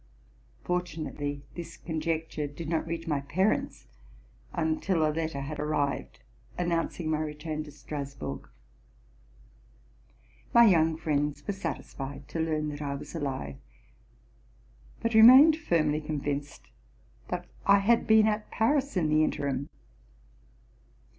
Fortunately this conjecture did not reach my parents until a letter had arrived announcing my return to Strasburg. My young friends were satisfied to learn that I was alive, but re mained firmly convinced that I had been at Paris in the interim.